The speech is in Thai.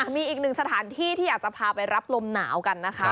มีอีกหนึ่งสถานที่ที่อยากจะพาไปรับลมหนาวกันนะคะ